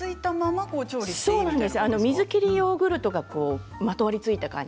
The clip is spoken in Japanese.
水切りヨーグルトがまとわりついた感じ。